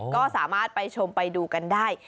ก็สามารถไปชมไปดูกันได้